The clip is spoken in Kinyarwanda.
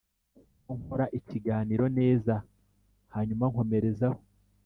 ko nkora ikiganiro neza hanyuma nkomerezaho